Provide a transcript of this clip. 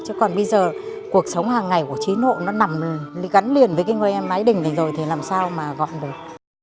chứ còn bây giờ cuộc sống hàng ngày của chí nộ nó nằm gắn liền với cái ngôi em máy đình này rồi thì làm sao mà gọn được